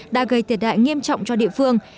đã gây thiệt hại nghiêm trọng cho địa phương